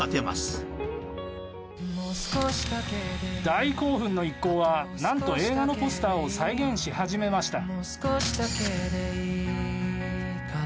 大興奮の一行はなんと、映画のポスターを再現し始めました。